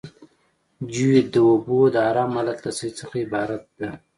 جیوئید د اوبو د ارام حالت له سطحې څخه عبارت ده